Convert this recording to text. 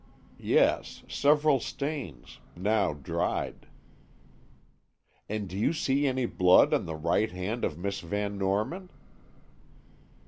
"Yes, several stains, now dried." "And do you see any blood on the right hand of Miss Van Norman?"